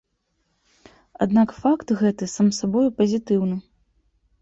Аднак факт гэты сам сабою пазітыўны.